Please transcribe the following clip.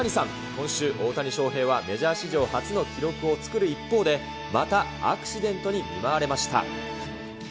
今週、大谷翔平はメジャー史上初の記録を作る一方で、またアクシデントに見舞われました。